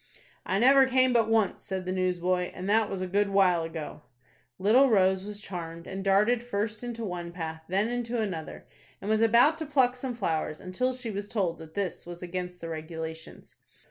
"I never came but once," said the newsboy, "and that was a good while ago." Little Rose was charmed, and darted first into one path, then into another, and was about to pluck some flowers, until she was told that this was against the regulations.